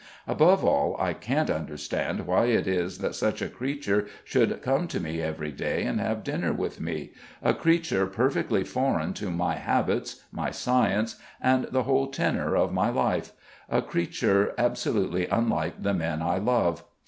Above all, I can't understand why it is that such a creature should come to me every day and have dinner with me a creature perfectly foreign to my habits, my science, and the whole tenour of my life, a creature absolutely unlike the men I love.